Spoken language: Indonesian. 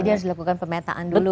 jadi harus dilakukan pemetaan dulu